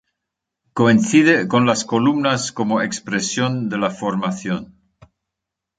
Coincide con las columnas como expresión de la formación.